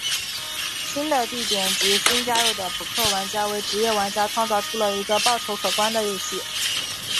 新的地点及新加入的扑克玩家为职业玩家创造出了一个报酬可观的游戏。